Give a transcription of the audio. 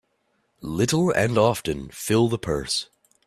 Little and often fill the purse.